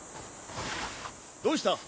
どうした？